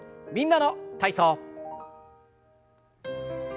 「みんなの体操」。